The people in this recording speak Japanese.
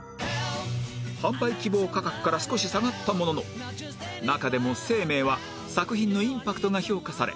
販売希望価格から少し下がったものの中でも『生命』は作品のインパクトが評価され１８万